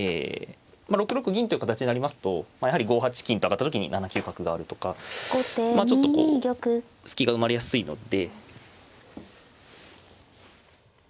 ６六銀という形になりますとやはり５八金と上がった時に７九角があるとかまあちょっとこう隙が生まれやすいので。